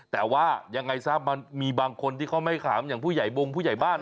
แต่ว่ายังไงซะมันมีบางคนที่เขาไม่ขามอย่างผู้ใหญ่บงผู้ใหญ่บ้าน